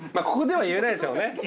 ここでは言えないですよね。